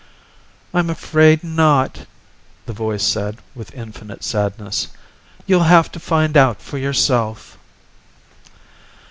"I'm afraid not," the voice said, with infinite sadness. "You'll have to find out for yourself."